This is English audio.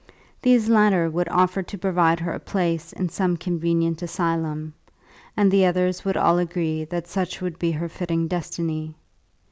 These latter would offer to provide her a place in some convenient asylum, and the others would all agree that such would be her fitting destiny.